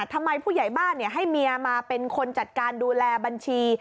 ทำไมผู้ใหญ่บ้านให้เมียมาเป็นคนจัดการดูแลบัญชี